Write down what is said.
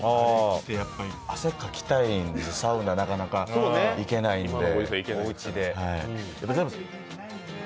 汗かきたいんですけど、サウナなかなか行けないんでおうちで。